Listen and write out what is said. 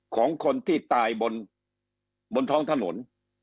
ของคนที่ตายบนท้องถนน